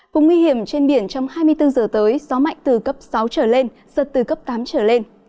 vùng nguy hiểm trên biển trong hai mươi bốn giờ tới gió mạnh từ cấp sáu trở lên giật từ cấp tám trở lên